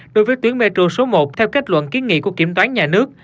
đối với tuyến metro số một theo kết luận kiến nghị của kiểm toán nhà nước